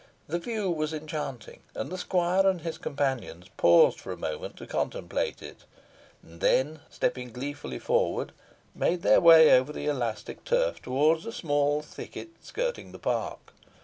The view was enchanting, and the squire and his companions paused for a moment to contemplate it, and then, stepping gleefully forward, made their way over the elastic turf towards a small thicket skirting the park.